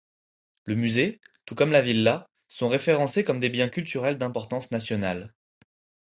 Le musée, tout comme la villa, sont référencés comme biens culturels d'importance nationale.